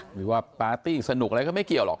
หรือว่าปาร์ตี้สนุกอะไรก็ไม่เกี่ยวหรอก